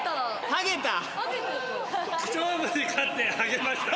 はげた。